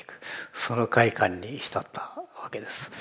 その快感に浸ったわけです。